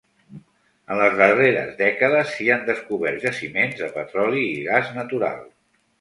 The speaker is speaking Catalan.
En les darreres dècades s'hi han descobert jaciments de petroli i gas natural.